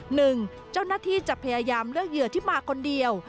หนึ่งเจ้าหน้าที่จะพยายามเลือกเหยื่อที่มาคนเดียว